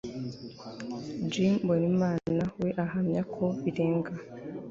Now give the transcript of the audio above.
g. mbonimana we ahamya ko birenga